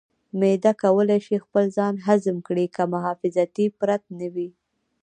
معده کولی شي خپل ځان هضم کړي که محافظتي پرت نه وي.